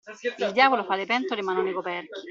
Il diavolo fa le pentole ma non i coperchi.